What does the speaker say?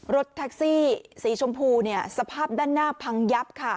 รถแท็กซี่สีชมพูสภาพด้านหน้าพังยับค่ะ